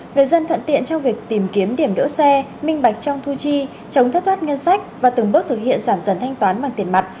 người dân thuận tiện trong việc tìm kiếm điểm đỗ xe minh bạch trong thu chi chống thất thoát ngân sách và từng bước thực hiện giảm dần thanh toán bằng tiền mặt